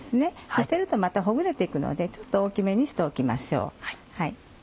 煮てるとまたほぐれて行くのでちょっと大きめにしておきましょう。